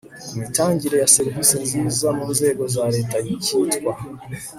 ku mitangire ya servisi nziza mu nzego za leta cyitwa